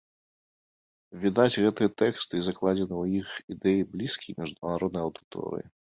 Відаць, гэтыя тэксты і закладзеныя ў іх ідэі блізкія міжнароднай аўдыторыі.